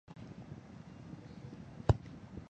比耶尔内人口变化图示